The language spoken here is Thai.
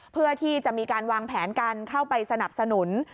เพื่อที่จะมีการวางแผนกันเข้าไปสนับสนุน